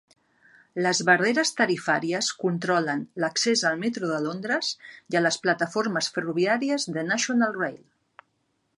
Les barreres tarifàries controlen l"accés al metro de Londres i a les plataformes ferroviàries de National Rail.